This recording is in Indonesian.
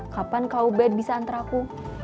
kapan kau bed bisa antara aku